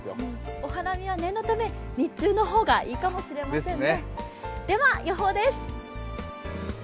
お花見は念のため日中の方がいいかもしれませんね。